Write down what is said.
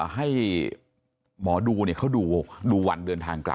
ให้หมอดูเขาดูวันเดินทางกลับ